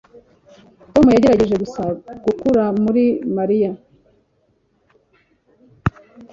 tom yagerageje gusa gukura muri mariya